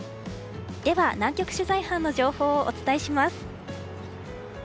では南極取材班の情報をお伝えします。